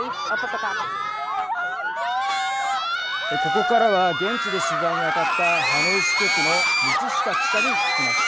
ここからは現地で取材にあたったハノイ支局の道下記者に聞きます。